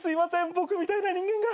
僕みたいな人間が。